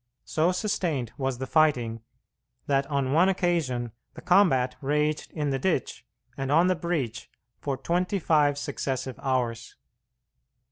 So sustained was the fighting, that on one occasion the combat raged in the ditch and on the breach for twenty five successive hours.